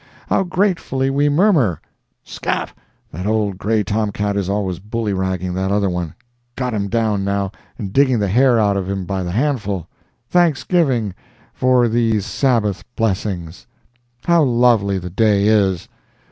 How gratefully we murmur (Scat!—that old gray tom cat is always bully ragging that other one—got him down now, and digging the hair out of him by the handful.) thanksgiving for these Sabbath blessings. How lovely the day is!